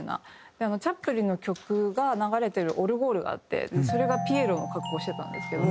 あのチャップリンの曲が流れてるオルゴールがあってそれがピエロの格好してたんですけど。